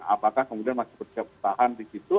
apakah kemudian masih bersiap tahan di situ